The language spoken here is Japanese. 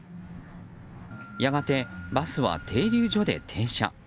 やがてバスは停留所で停車。